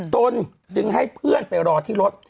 ตนจึงให้เพื่อนไปรอที่รถ